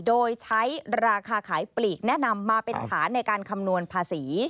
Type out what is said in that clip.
โดยใช้ราคาขายปลีกแนะนำมาเป็นฐานในการคำนวณภาษี